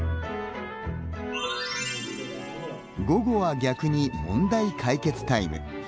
午後は逆に、問題解決タイム。